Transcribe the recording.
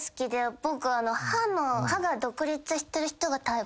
僕は歯が独立してる人がタイプ？